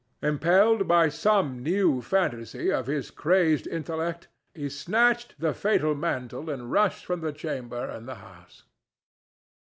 Impelled by some new fantasy of his crazed intellect, he snatched the fatal mantle and rushed from the chamber and the house.